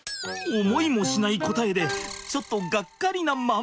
思いもしない答えでちょっとがっかりなママ。